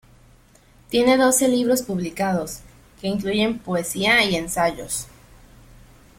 Tiene doce libros publicados, que incluyen poesía y ensayos.